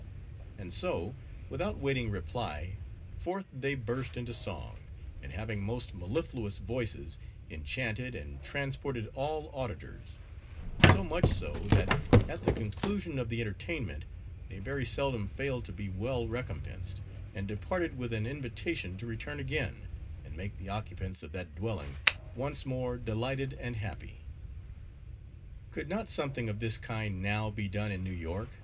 _ And so, without waiting reply, forth they burst into song; and having most mellifluous voices, enchanted and transported all auditors; so much so, that at the conclusion of the entertainment, they very seldom failed to be well recompensed, and departed with an invitation to return again, and make the occupants of that dwelling once more delighted and happy. "Could not something of this kind now, be done in New York?"